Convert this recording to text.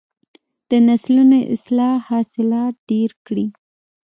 د نسلونو اصلاح حاصلات ډیر کړي.